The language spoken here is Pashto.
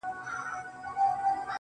له غرونو واوښتم، خو وږي نس ته ودرېدم .